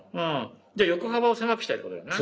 じゃあ横幅を狭くしたいってことだよな。